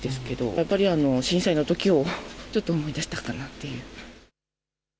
やっぱり震災のときをちょっと思い出したかなっていう。